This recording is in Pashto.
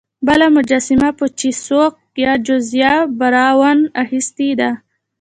بله مجسمه په چیسوک کې جوزیا براون اخیستې ده.